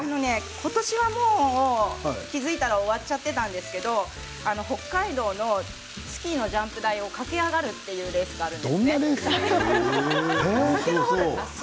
今年は気付いたら終わっちゃったんですが北海道のスキージャンプ台を駆け上がるというレースがあるんですね。